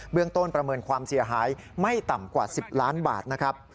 เรื่องต้นประเมินความเสียหายไม่ต่ำกว่า๑๐ล้านบาทนะครับ